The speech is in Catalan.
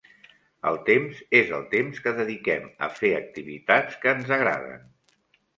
El temps és el temps que dediquem a fer activitats que ens agraden.